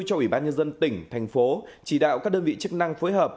cho ủy ban nhân dân tỉnh thành phố chỉ đạo các đơn vị chức năng phối hợp